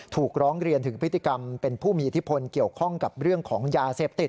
ถูกร้องเรียนถึงพฤติกรรมเป็นผู้มีอิทธิพลเกี่ยวข้องกับเรื่องของยาเสพติด